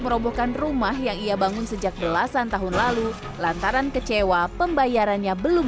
merobohkan rumah yang ia bangun sejak belasan tahun lalu lantaran kecewa pembayarannya belum